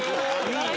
いい。